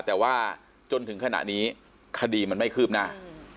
แต่ว่าจนถึงขณะนี้คดีมันไม่คืบหน้า